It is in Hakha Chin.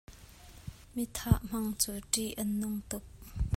Mi thah hmang cu ṭih an nung tuk.